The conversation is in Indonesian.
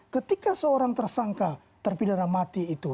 ketika seorang tersangka terpidana mati itu